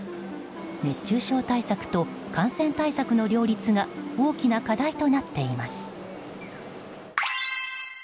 熱中症対策と感染対策の両立が大きな課題となっています。